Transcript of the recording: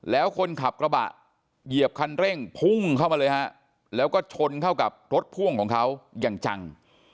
แล้วคนขับกระบะเหยียบคันเร่งพุ่งเข้ามาเลยฮะแล้วก็ชนเข้ากับรถพ่วงของเขาอย่างจัง